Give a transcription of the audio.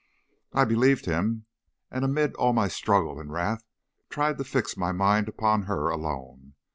"I believed him, and amid all my struggle and wrath tried to fix my mind upon her alone.